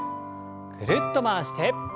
ぐるっと回して。